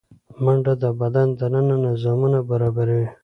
منډه د بدن دننه نظامونه برابروي